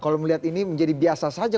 kalau melihat ini menjadi biasa saja